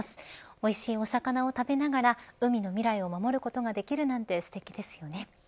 おいしいお魚を食べながら海の未来を守ることができるなんてすてきですよね。